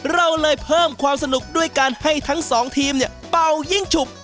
เราเพิ่มความสนุกด้วยการให้ทั้งสองทีมเบายิ่งฉุบ